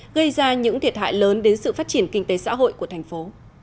gây ra những thiệt hại lớn đến sự phát triển kinh tế xã hội của thành phố